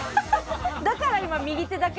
だから今右手だけ。